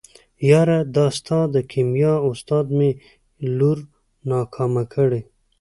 يره دا ستا د کيميا استاد مې لور ناکامه کړې.